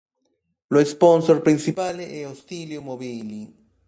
Lo sponsor principale è Ostilio Mobili.